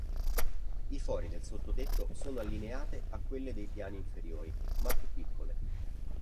I fori del sottotetto sono allineate a quelle dei piani inferiori, ma più piccole.